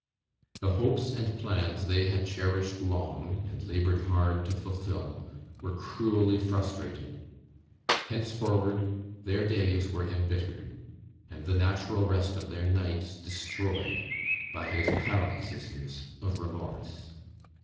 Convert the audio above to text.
The hopes and plans they had cherished long, and laboured hard to fulfil, were cruelly frustrated; henceforward their days were embittered and the natural rest of their nights destroyed by his paroxysms of remorse.